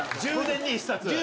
１０年に１冊。